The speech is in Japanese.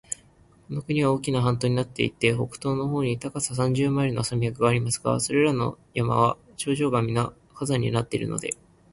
この国は大きな半島になっていて、北東の方に高さ三十マイルの山脈がありますが、それらの山は頂上がみな火山になっているので、